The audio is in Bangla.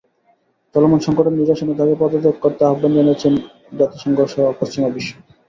চলমান সংকটের নিরসনে তাঁকে পদত্যাগ করতে আহ্বান জানিয়েছিল জাতিসংঘসহ পশ্চিমা বিশ্ব।